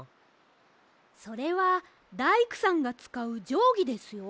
それはだいくさんがつかうじょうぎですよ。